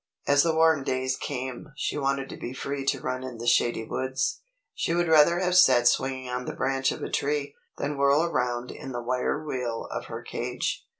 As the warm days came, she wanted to be free to run in the shady woods. She would rather have sat swinging on the branch of a tree, than whirl around in the wire wheel of her cage.